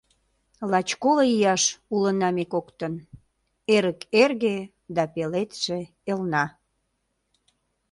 Лач коло ияш улына ме коктын, эрык эрге да пеледше элна.